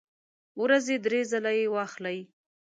ورځې درې ځله یی واخلئ